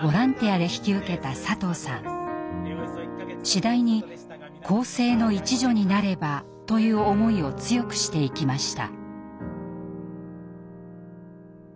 次第に更生の一助になればという思いを強くしていきました。